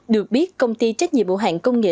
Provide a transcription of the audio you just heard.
được biết công ty trách nhiệm hộ hàng công nghệ